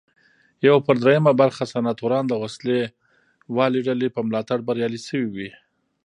یو پر درېیمه برخه سناتوران د وسله والې ډلې په ملاتړ بریالي شوي وي.